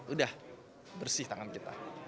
udah bersih tangan kita